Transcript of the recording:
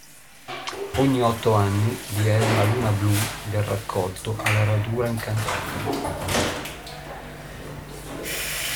Ogni otto anni vi è una luna blu del raccolto alla Radura Incantata.